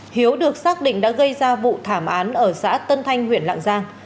hiếu được xác định đã gây ra vụ thảm án ở xã tân thanh huyện lạng giang